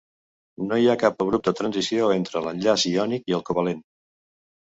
No hi ha cap abrupte transició entre l’enllaç iònic i el covalent.